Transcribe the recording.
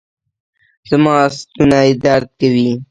زما ستونی درد کوي